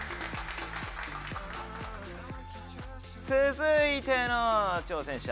続いての挑戦者。